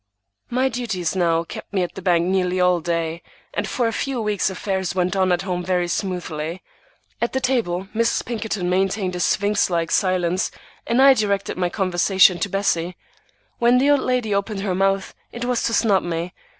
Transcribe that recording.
My duties now kept me at the bank nearly all day, and for a few weeks affairs went on at home very smoothly. At table Mrs. Pinkerton maintained a sphinx like silence, and I directed my conversation to Bessie. When the old lady opened her mouth, it was to snub me.